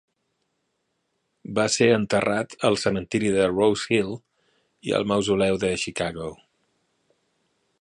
Va ser enterrat al cementiri de Rosehill i al mausoleu de Chicago.